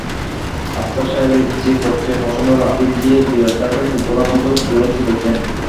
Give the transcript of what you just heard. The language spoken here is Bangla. আফসার সাহেবের ইচ্ছে করছে প্রচণ্ড লাথি দিয়ে বিড়ালটাকে ফুটবলের মতো দূরে ছুঁড়ে দেন।